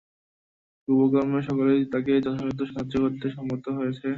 শুভকর্মে সকলেই তাঁকে যথাসাধ্য সাহায্য করতে সম্মত হয়েছে।